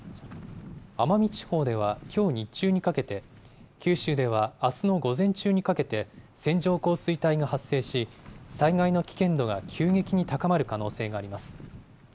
奄美地方ではきょう日中にかけて、九州ではあすの午前中にかけて、線状降水帯が発生し、災害の危険度が急激に高まる可能性があります。